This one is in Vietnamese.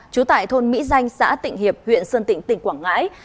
trú tại thôn mỹ danh xã tịnh hiệp huyện sơn tịnh tỉnh quảng ngãi